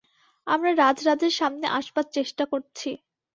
আমরা রাজরাজের সামনে আসবার চেষ্টা করছি।